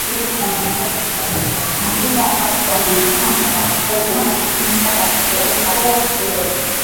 hakimu wa mkaazi wa mahakama ya belmas jijini london uingereza howart riddle